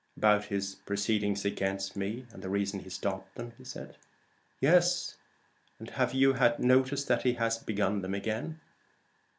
"About his proceedings against me? and the reason he stopped them?" "Yes: have you had notice that he has begun them again?"